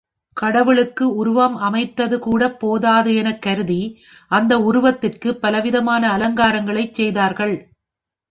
கடவுளுக்கு உருவம் அமைத்ததுகூடப் போதாது எனக் கருதி, அந்த உருவத்துக்குப் பலவிதமான அலங்காரங்களைச் செய்தார்கள்.